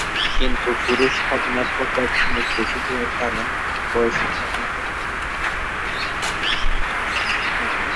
কিন্তু পুরুষ খৎনার প্রকোপ অনেক বেশি হওয়ার কারণ, বয়স্ক খৎনা করা পুরুষ- অবশিষ্ট জনসংখ্যার মধ্যে থাকার কারণে।